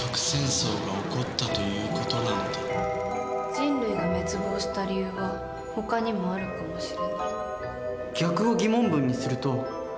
人類が滅亡した理由はほかにもあるかもしれない。